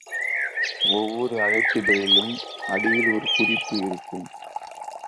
ஒவ்வொரு அழைப்பிதழிலும் அடியில் ஒரு குறிப்பு இருக்கும்.